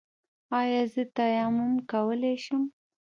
ایا زه تیمم کولی شم؟